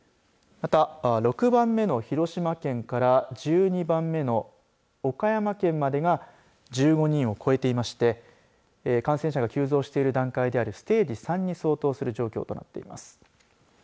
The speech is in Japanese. また、６番目の広島県から１２番目の岡山県までが１５人を超えていまして感染者が急増している段階であるステージ３に相当する状況となっています。